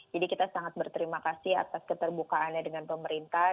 jadi kita sangat berterima kasih atas keterbukaannya dengan pemerintah